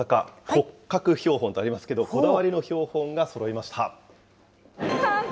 骨格標本とありますけれども、こだわりの標本がそろいました。